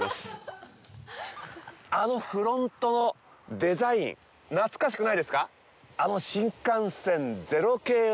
あのフロントのデザイン、懐かしくないですか？